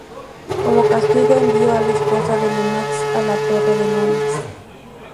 Como castigo, envió a la esposa de Lennox a la torre de Londres.